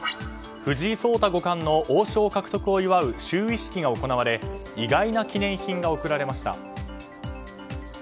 藤井聡太五冠の王将獲得を祝う就位式が行われ意外な記念品が贈られました。